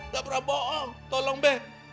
gak pernah bohong tolong be